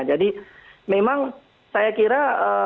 jadi memang saya kira